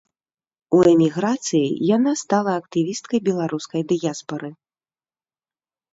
У эміграцыі яна стала актывісткай беларускай дыяспары.